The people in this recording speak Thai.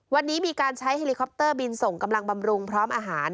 วันนี้มีการใช้เฮลิคอปเตอร์บินส่งกำลังบำรุงพร้อมอาหาร